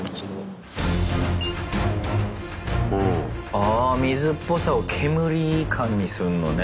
あ水っぽさを煙感にすんのね。